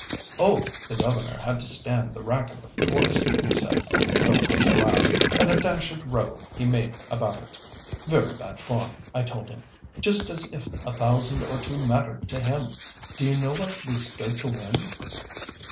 "Oh! the governor had to stand the racket, of course," he said, filling his glass; "and a dashed row he made about it—very bad form, I told him—just as if a thousand or two mattered to him. Do you know what we stood to win?"